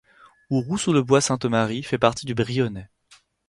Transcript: Ouroux-sous-le-Bois-Sainte-Marie fait partie du Brionnais.